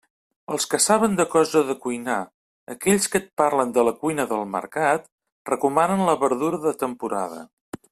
Els que saben de cosa de cuinar, aquells que et parlen de la cuina del mercat, recomanen la verdura de temporada.